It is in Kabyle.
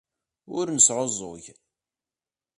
Ur nesɛuẓẓug.